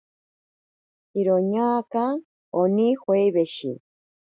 Iroñaaka oni joeweshi.